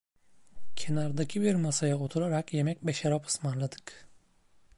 Kenardaki bir masaya oturarak yemek ve şarap ısmarladık.